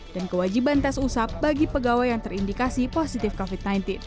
dan kewajiban tes usap bagi pegawai yang terindikasi positif covid sembilan belas